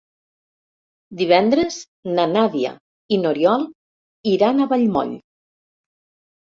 Divendres na Nàdia i n'Oriol iran a Vallmoll.